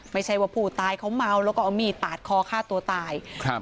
ไม่ใช่ว่าผู้ตายเขาเมาแล้วก็เอามีดปาดคอฆ่าตัวตายครับ